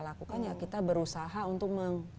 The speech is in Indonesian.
lakukan kita berusaha untuk